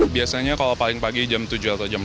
biasanya kalau paling pagi jam tujuh atau jam empat